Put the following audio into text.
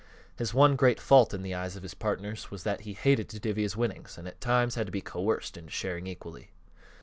His one great fault in the eyes of his partners was that he hated to divvy his winnings and at times had to be coerced into sharing equally.